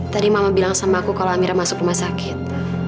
tadi mama bilang sama aku kalau amira masuk rumah sakit